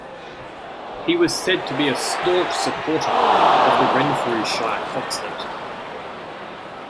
He was said to be a staunch supporter of the Renfrewshire fox hunt.